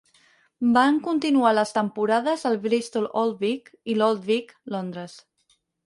Van continuar les temporades al Bristol Old Vic i l'Old Vic, Londres.